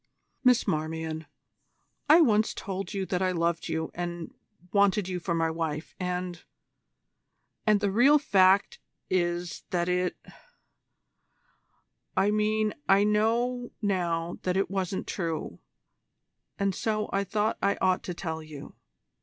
"Miss Marmion, I once told you that I loved you and wanted you for my wife, and and the real fact is that it I mean I know now that it wasn't true and so I thought I ought to tell you.